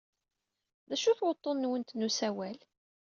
D acu-t wuḍḍun-nwent n usawal?